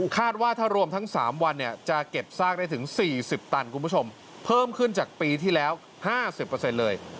คาดว่าถ้ารวมทั้ง๓วันจะเก็บซากได้ถึง๔๐ตันคุณผู้ชมเพิ่มขึ้นจากปีที่แล้ว๕๐เลย